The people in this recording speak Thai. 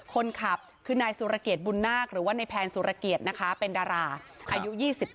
คนขับคือนายสุรเกียรติบุญนาคหรือว่าในแพนสุรเกียรตินะคะเป็นดาราอายุ๒๗